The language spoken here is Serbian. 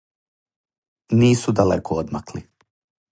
Нису далеко одмакли.